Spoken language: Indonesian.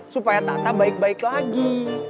supaya tata baik baik lagi